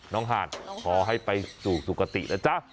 น้องห่านขอให้ไปสู่สุขติแล้วจ๊ะ